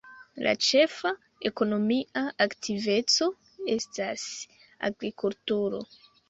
La ĉefa ekonomia aktiveco estas agrikulturo.